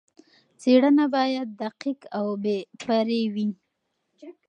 څېړنه باید دقیق او بې پرې وي.